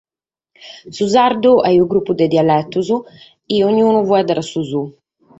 Su sardu est unu grupu de dialetos e ognunu faeddat su suo.